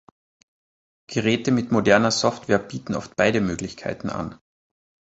Geräte mit moderner Software bieten oft beide Möglichkeiten an.